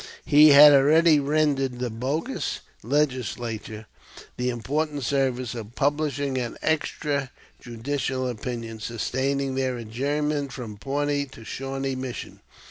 He had already rendered the bogus Legislature the important service of publishing an extra judicial opinion, sustaining their adjournment from Pawnee to Shawnee Mission.